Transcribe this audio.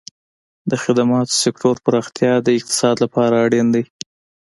د خدماتو سکتور پراختیا د اقتصاد لپاره اړین دی.